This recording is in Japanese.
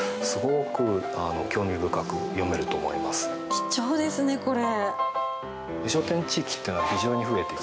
貴重ですね、これ。